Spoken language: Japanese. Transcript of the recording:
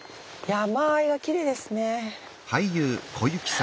山あいがきれいですね。